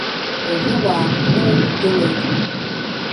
Уажәы уааҳәны уқәгылеит.